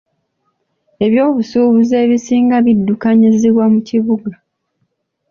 Eby'obusuubuzi ebisinga biddukanyizibwa mu bibuga.